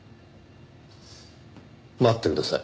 待ってください。